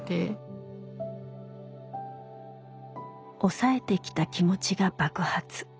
抑えてきた気持ちが爆発。